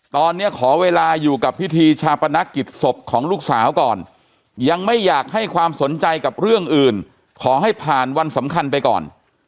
ตอนนี้ขอเวลาอยู่กับพิธีชาปนกิจศพของลูกสาวก่อนยังไม่อยากให้ความสนใจกับเรื่องอื่นขอให้ผ่านวันสำคัญไปก่อน